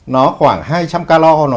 nó khoảng hai trăm linh calor